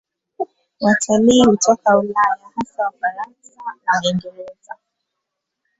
Watalii hutoka Ulaya, hasa Wafaransa na Waingereza.